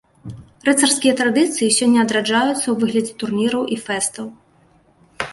Рыцарскія традыцыі сёння адраджаюцца ў выглядзе турніраў і фэстаў.